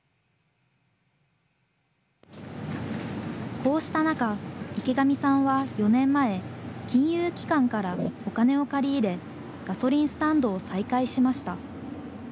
こうした中、池上さんは４年前、金融機関からお金を借り入れ、ガソリンスタンドを再開しました。